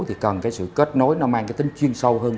thì cần cái sự kết nối nó mang cái tính chuyên sâu hơn